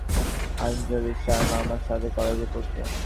আঞ্জলি শার্মা আমার সাথে কলেজে পড়তো।